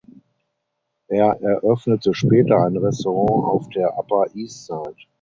Er eröffnete später ein Restaurant auf der Upper East Side.